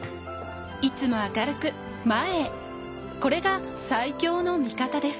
いつも明るく前へこれが最強の味方です